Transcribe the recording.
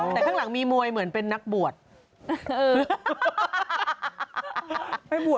แต่ข้างหลังมีมวยเหมือนเป็นนักบวช